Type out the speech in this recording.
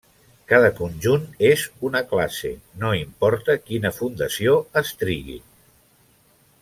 Cada conjunt és una classe, no importa quina fundació es trigui.